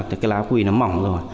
thì cái lá quỳ nó mỏng rồi